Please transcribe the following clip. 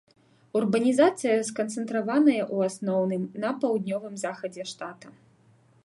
Урбанізацыя сканцэнтраваная ў асноўным на паўднёвым захадзе штата.